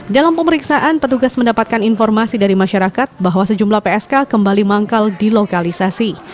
dalam pemeriksaan petugas mendapatkan informasi dari masyarakat bahwa sejumlah psk kembali manggal di lokalisasi